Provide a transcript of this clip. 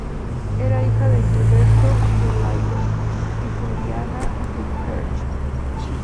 Era hija de Gilberto de L’Aigle y Juliana du Perche.